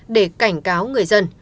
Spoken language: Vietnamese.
để cảnh báo người dân